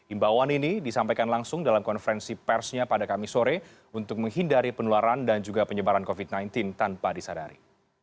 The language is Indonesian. imbauan ini disampaikan langsung dalam konferensi persnya pada kamis sore untuk menghindari penularan dan juga penyebaran covid sembilan belas tanpa disadari